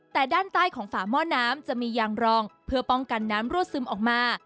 แต่ด้านใต้ของฝาหม้อน้ำจะมียางรองเพื่อป้องกันน้ำรั่วซึมออกมา